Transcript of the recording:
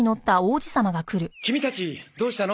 キミたちどうしたの？